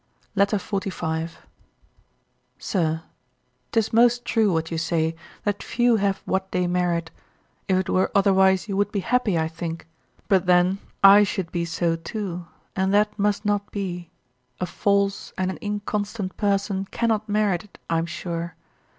Letter 45. SIR, 'Tis most true what you say, that few have what they merit; if it were otherwise, you would be happy, I think, but then I should be so too, and that must not be, a false and an inconstant person cannot merit it, I am sure.